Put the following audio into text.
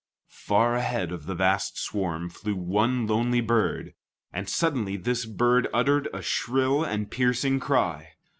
Far ahead of the vast swarm flew one lonely bird, and suddenly this bird uttered a shrill and piercing cry.